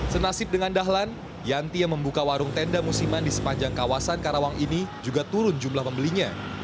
senasib dengan dahlan yanti yang membuka warung tenda musiman di sepanjang kawasan karawang ini juga turun jumlah pembelinya